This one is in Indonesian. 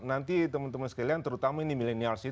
nanti teman teman sekalian terutama ini milenial